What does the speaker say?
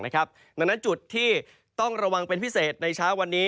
ดังนั้นจุดที่ต้องระวังเป็นพิเศษในเช้าวันนี้